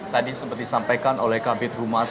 tadi seperti disampaikan oleh kabinet humanitas